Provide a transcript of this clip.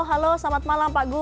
halo selamat malam pak gu